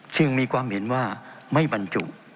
จึงมีความเห็นว่าไม่บรรจุ